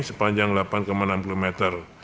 sepanjang delapan enam puluh meter